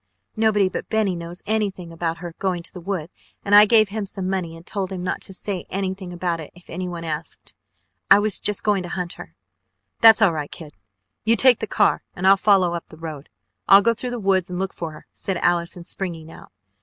Nobody but Benny knows anything about her going to the woods and I gave him some money and told him not to say anything about it if anyone asked. I was just going to hunt her " "That's all right, kid! You take the car and follow up the road. I'll go through the woods and look for her !" said Allison, springing out.